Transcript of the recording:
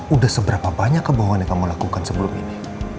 udah seberapa banyak kebohongan yang kamu lakukan sebelum ini